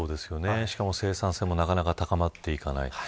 しかも生産性もなかなか高まらない。